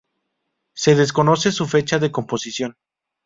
Se desconoce su fecha de composición.